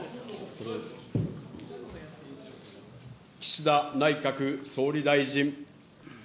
岸田内閣総理大臣。